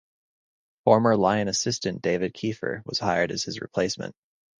Former Lion assistant David Kiefer was hired as his replacement.